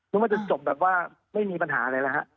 นึกว่าจะจบแบบว่าไม่มีปัญหาอะไรแล้วฮะ